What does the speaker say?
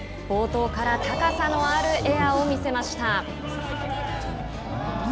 冒頭から高さのあるエアを見せました。